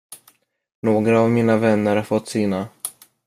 Några av mina vänner har fått sina.